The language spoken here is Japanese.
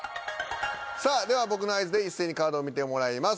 さあでは僕の合図で一斉にカードを見てもらいます。